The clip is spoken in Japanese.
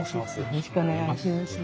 よろしくお願いします。